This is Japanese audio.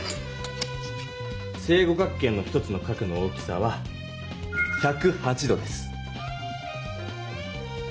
正五角形の１つの角の大きさは１０８度です。